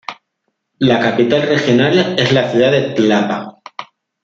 La capital regional es la ciudad de Tlapa.